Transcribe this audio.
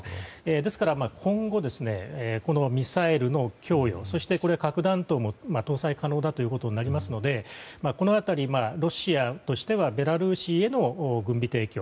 ですから今後、ミサイルの供与そして核弾頭も搭載可能となりますのでこの辺りロシアとしてはベラルーシへの軍備提供。